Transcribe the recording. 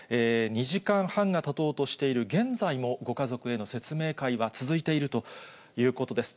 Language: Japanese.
２時間半がたとうとしている現在もご家族への説明会は続いているということです。